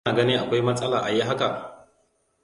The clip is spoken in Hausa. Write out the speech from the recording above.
Kana ganin akwai matsala ayi haka?